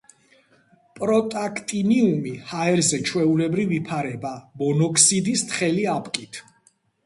პროტაქტინიუმი ჰაერზე ჩვეულებრივ იფარება მონოქსიდის თხელი აპკით.